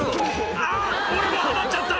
「あぁ！俺もはまっちゃった」